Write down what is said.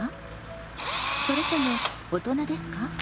それとも大人ですか？